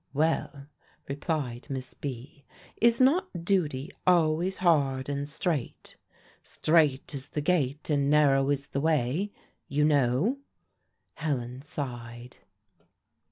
"Well," replied Miss B., "is not duty always hard and strait? 'Strait is the gate, and narrow is the way,' you know." Helen sighed.